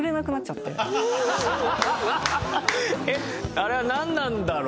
あれはなんなんだろう？